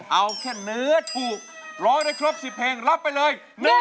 เอาแค่เนื้อถูกร้องได้ครบ๑๐เพลงรับไปเลย